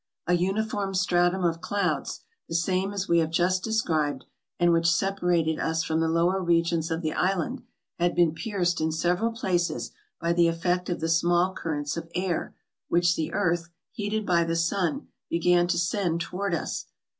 A uniform stratum of clouds, the same as we have just described, and which separated us from the lower regions of the island, had been pierced in several places by the effect of the small currents of air, which the earth, heated by the sun, began to send toward us.